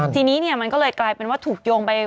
ทีนี้มันก็เลยกลายเป็นว่าถูกโยงไป